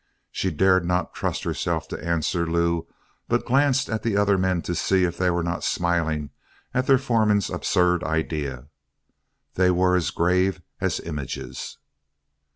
She dared not trust herself to answer Lew but glanced at the other men to see if they were not smiling at their foreman's absurd idea; they were as grave as images.